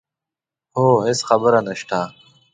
هو هېڅ خبره نه شته.